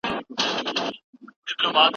لمن كي مي د سپينو ملغلرو كور ودان دئ